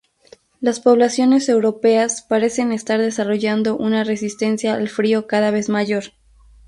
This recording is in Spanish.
Las poblaciones europeas parecen estar desarrollando una resistencia al frío cada vez mayor.